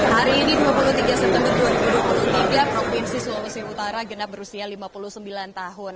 hari ini dua puluh tiga september dua ribu dua puluh tiga provinsi sulawesi utara genap berusia lima puluh sembilan tahun